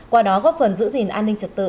qua đó góp phần giữ gìn an ninh trật tự